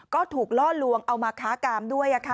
ก็ถูกล่อลวงเอามาค้ากามด้วย